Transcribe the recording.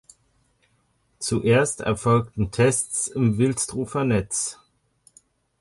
Zuerst erfolgten Tests im Wilsdruffer Netz.